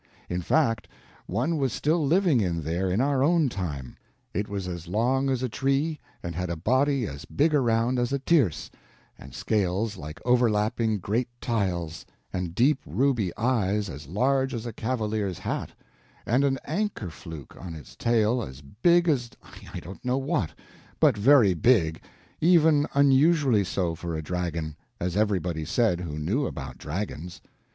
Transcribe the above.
In fact, one was still living in there in our own time. It was as long as a tree, and had a body as big around as a tierce, and scales like overlapping great tiles, and deep ruby eyes as large as a cavalier's hat, and an anchor fluke on its tail as big as I don't know what, but very big, even unusually so for a dragon, as everybody said who knew about dragons.